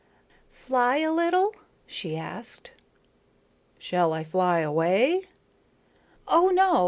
"Fly a little," she asked. "Shall I fly away?" "Oh no.